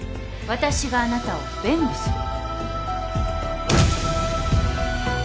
私があなたを弁護する。